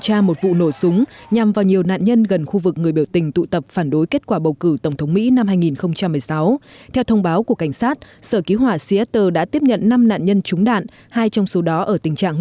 hàng nghìn người biểu tình phản đối ông donald trump